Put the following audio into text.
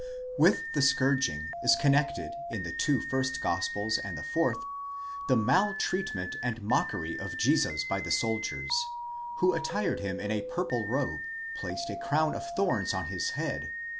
With the scourging is connected in the two first gospels and the fourth, the maltreatment and mockery of Jesus by the soldiers, who attired him in a purple robe, placed a crown of thorns on his head,*!